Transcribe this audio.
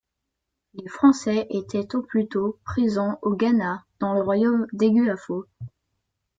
Les Français étaient au plutôt présents au Ghana dans le royaume d'Eguafo.